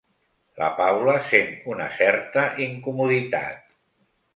La Paula sent una certa incomoditat.